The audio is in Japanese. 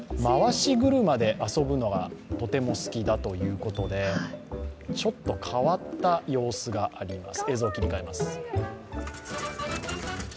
回し車で遊ぶのがとても好きだということでちょっと変わった様子があります